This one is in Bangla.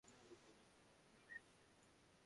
এখানেও একটি অতি অসঙ্গত মহাভ্রম রহিয়াছে।